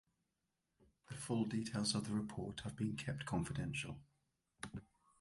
The full details of the report have been kept confidential.